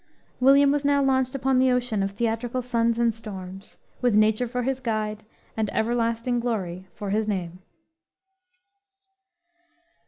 William was now launched upon the ocean of theatrical suns and storms, with Nature for his guide and everlasting glory for his name.